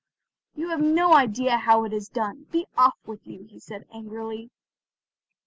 "You have no idea how it is done. Be off with you," said he angrily.